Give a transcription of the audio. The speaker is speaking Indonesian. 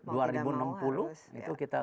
dua ribu enam puluh itu kita